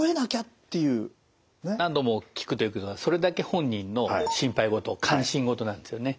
何度も聞くということはそれだけ本人の心配事関心事なんですよね。